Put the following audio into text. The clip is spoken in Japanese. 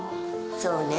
そうね。